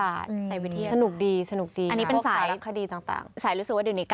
เรื่องดังอยู่ต่างดึง